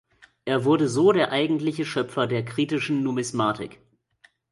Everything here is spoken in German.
Er wurde so der eigentliche Schöpfer der kritischen Numismatik.